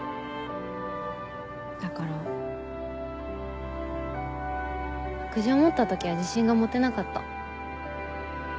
だから白杖を持った時は自信が持てなかった。